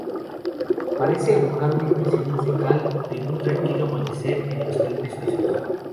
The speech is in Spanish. Parece evocar una impresión musical de un tranquilo amanecer en los Alpes suizos.